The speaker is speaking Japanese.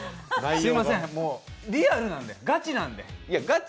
すいません、リアルなんで、ガチなんで。